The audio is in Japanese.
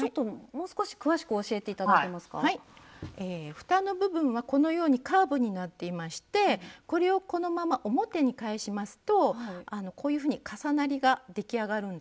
ふたの部分はこのようにカーブになっていましてこれをこのまま表に返しますとこういうふうに重なりが出来上がるんですね。